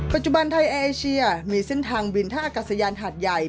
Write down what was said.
ปัจจุบันไทยแอร์เอเชียมีเส้นทางบินท่าอากาศยานหาดใหญ่